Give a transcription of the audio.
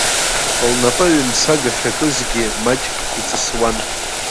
Лнапы аҩмсаг ахьакызгьы маҷк иҵысуан.